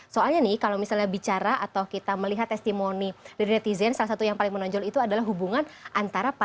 soalnya nih kalau misalnya bicara atau kita melihat testimoni dari netizen salah satu yang paling menonjol itu adalah hubungan antara pasangan